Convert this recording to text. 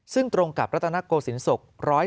ซึ่งตรงกับรัฐนโกสินศก๑๑๐